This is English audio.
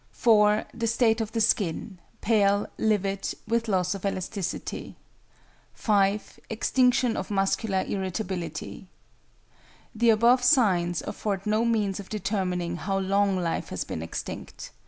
(4) The state of the skin; pale, livid, with loss of elasticity. (5) Extinction of muscular irritability. The above signs afford no means of determining how long life has been extinct.